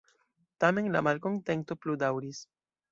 Tamen la malkontento plu-daŭris.